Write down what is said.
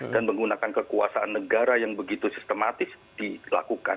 dan menggunakan kekuasaan negara yang begitu sistematis dilakukan